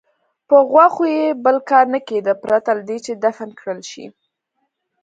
په غوښو یې بل کار نه کېده پرته له دې چې دفن کړل شي.